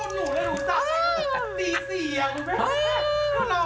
นู่นแล้วหนูทราบแองจิตี๔อย่างนึกไหม